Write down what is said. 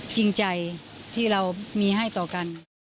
จริงใจที่เรามีให้ต่อกัน